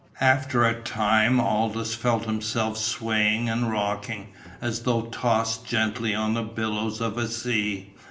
After a time Aldous felt himself swaying and rocking, as though tossed gently on the billows of a sea.